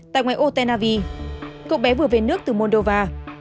tại ngoài ô tenavi cậu bé vừa về nước từ moldova